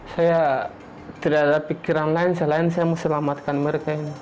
saya tidak ada pikiran lain selain saya mau selamatkan mereka